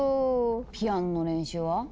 ピアノの練習は？